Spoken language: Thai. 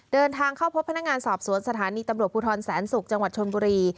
เดินทางเข้าพบพนักงานสอบสวนสถานีตำรวจภูทรแสนศุกร์จังหวัดชนบุรี